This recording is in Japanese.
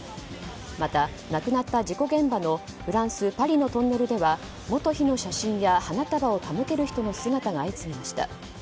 また、亡くなった事故現場のフランス・パリのトンネルでは元妃の写真や花束を手向ける人の姿が相次ぎました。